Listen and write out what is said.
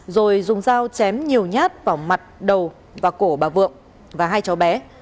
rồi dùng dao chém nhiều nhát vào mặt đầu và cổ bà vượng và hai cháu bé